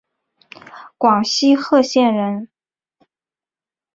广西贺县人。